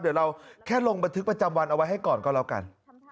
เดี๋ยวเราแค่ลงบันทึกประจำวันเอาไว้ให้ก่อนก็แล้วกัน